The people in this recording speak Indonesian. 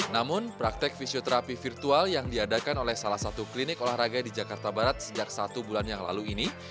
namun praktek fisioterapi virtual yang diadakan oleh salah satu klinik olahraga di jakarta barat sejak satu bulan yang lalu ini